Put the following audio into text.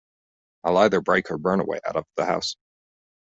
I’ll either break or burn a way out of the house.